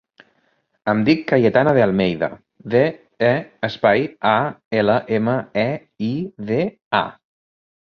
Em dic Cayetana De Almeida: de, e, espai, a, ela, ema, e, i, de, a.